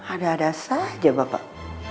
ada ada saja bapak